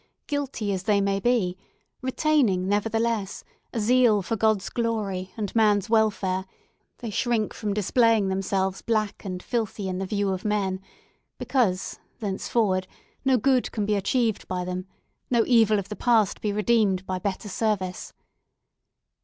—guilty as they may be, retaining, nevertheless, a zeal for God's glory and man's welfare, they shrink from displaying themselves black and filthy in the view of men; because, thenceforward, no good can be achieved by them; no evil of the past be redeemed by better service.